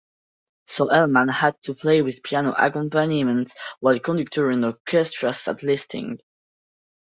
So Elman had to play with piano accompaniment while conductor and orchestra sat listening.